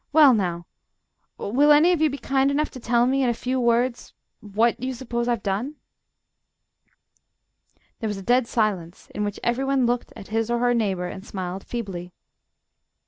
"Well, now, will any of you be kind enough to tell me, in a few words, what you suppose I've done?" There was a dead silence, in which every one looked at his or her neighbour and smiled feebly.